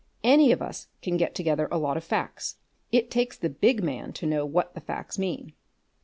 Any of us can get together a lot of facts. It takes the big man to know what the facts mean."